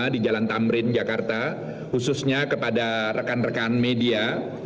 di jalan tamrin jakarta khususnya kepada rekan rekan media